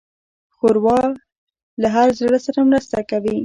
ښوروا له هر زړه سره مرسته کوي.